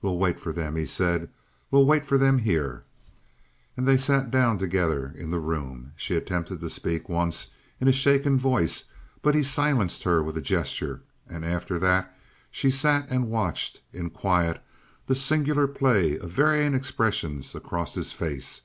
"We'll wait for them," he said. "We'll wait for them here." And they sat down together in the room. She attempted to speak once in a shaken voice, but he silenced her with a gesture, and after that she sat and watched in quiet the singular play of varying expressions across his face.